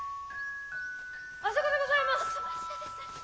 あそこでございます！